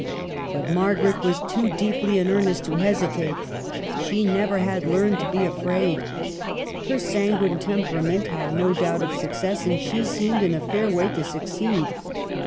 But Margaret was too deeply in earnest to hesi tate ; she never had learned to be afraid. Her sanguine temperament had no doubt of suc cess, and she seemed in a fair way to succeed.